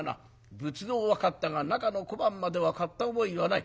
仏像は買ったが中の小判までは買った覚えはない。